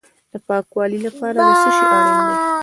د پاکوالي لپاره څه شی اړین دی؟